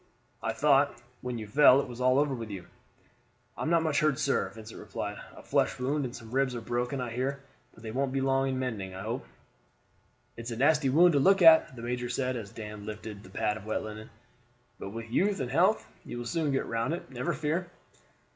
I thought when you fell it was all over with you." "I am not much hurt, sir," Vincent replied. "A flesh wound and some ribs are broken, I hear; but they won't be long mending I hope." "It's a nasty wound to look at," the major said, as Dan lifted the pad of wet linen. "But with youth and health you will soon get round it, never fear."